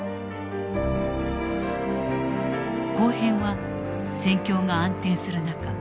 後編は戦況が暗転する中